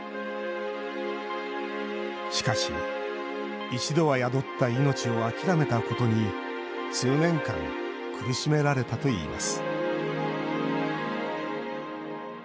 しかし、一度は宿った命を諦めたことに数年間苦しめられたといいます